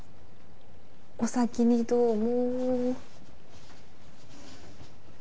お先にどうも。